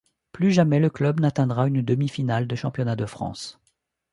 Plus jamais le club n'atteindra une demi-finale de championnat de France.